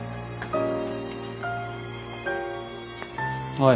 おい。